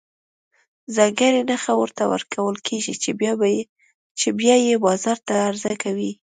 ځانګړې نښه ورته ورکول کېږي چې بیا یې بازار ته عرضه کوي.